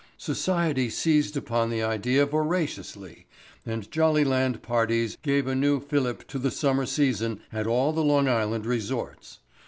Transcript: Society seized upon the idea voraciously and Jollyland parties gave a new filip to the summer season at all the Long Island resorts.